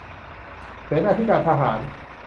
เสนาธิการทหาร